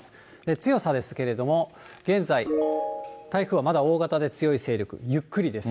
強さですけれども、現在、台風はまだ大型で強い勢力、ゆっくりです。